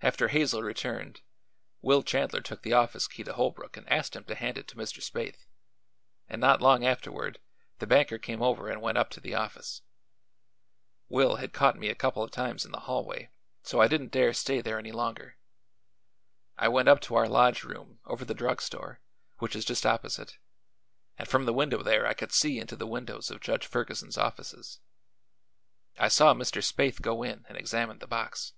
After Hazel returned, Will Chandler took the office key to Holbrook and asked him to hand it to Mr. Spaythe, and not long afterward the banker came over and went up to the office. Will had caught me a couple of times in the hallway, so I didn't dare stay there any longer. I went up to our lodge room, over the drug store, which is just opposite, and from the window there I could see into the windows of Judge Ferguson's offices. I saw Mr. Spaythe go in and examine the box.